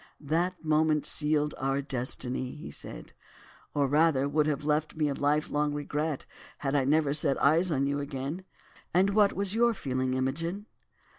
"That moment sealed our destiny," he said, "or rather, would have left me a lifelong regret had I never set eyes on you again. And what was your feeling, Imogen?"